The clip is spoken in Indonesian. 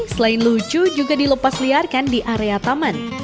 selain lucu juga dilepasliarkan di area taman